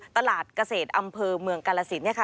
ตลาดเกษตรอำเภอเมืองกาลสินเนี่ยค่ะ